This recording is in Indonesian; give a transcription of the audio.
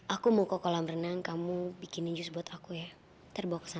aku mau ke kolam renang kamu bikinin jus buat aku ya